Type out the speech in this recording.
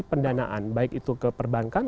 pendanaan baik itu ke perbankan